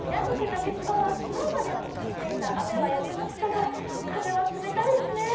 竹芝は昨日まで降っていた雨はやみましたが風は冷たいですね。